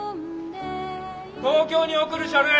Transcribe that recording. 東京に送る書類